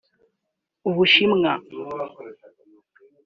u Bushimwa